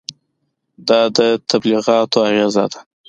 دا د تبلیغاتو اغېزه ده.